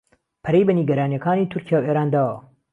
پەرەی بە نیگەرانییەکانی تورکیا و ئێران داوە